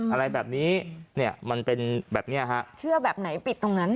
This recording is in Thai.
อะไรแบบนี้เนี่ยมันเป็นแบบเนี้ยฮะเชื่อแบบไหนปิดตรงนั้น